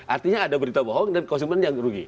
artinya ada berita bohong dan konsumen yang rugi